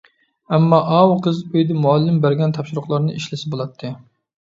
ئەمما ئاۋۇ قىز ئۆيدە مۇئەللىم بەرگەن تاپشۇرۇقلارنى ئىشلىسە بۇلاتتى.